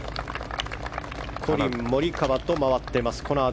コリン・モリカワと回っています